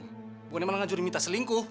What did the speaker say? bukannya malah ngajurin mita selingkuh